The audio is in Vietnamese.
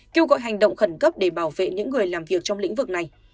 kêu gọi hành động khẩn cấp để bảo vệ những người làm việc trong lĩnh vực này